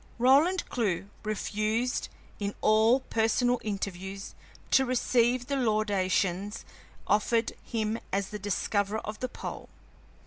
Roland Clewe refused in all personal interviews to receive the laudations offered him as the discoverer of the pole.